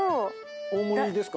大盛りですか？